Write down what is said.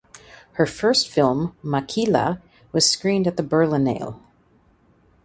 Her first film "Maki’la" was screened at the Berlinale.